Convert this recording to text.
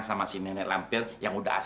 assalamualaikum ocation bank with a w